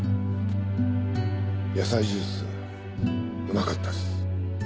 野菜ジュースうまかったです。